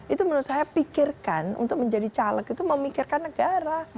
itu menurut saya pikirkan untuk menjadi caleg itu memikirkan negara